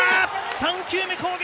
３球目攻撃！